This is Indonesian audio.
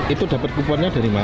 itu dapat kuponnya dari mana